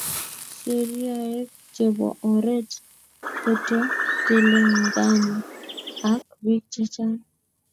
Sheriaek chebo oret kotokelengani ak bik chechang.